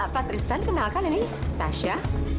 pak tristan kenalkan ini tasya